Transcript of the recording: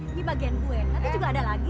ini bagian gue atau juga ada lagi